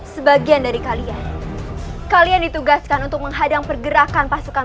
sebagian dari kalian kalian ditugaskan untuk menghadang pergerakan pasukan